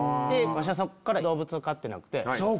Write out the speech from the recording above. わしはそっから動物を飼ってなくて。